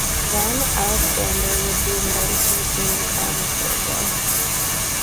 Then Aleksandre would be invited to assume the crown of Georgia.